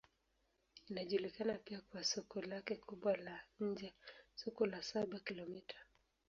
Inajulikana pia kwa soko lake kubwa la nje, Soko la Saba-Kilomita.